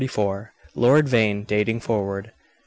LORD VANE DATING FORWARD.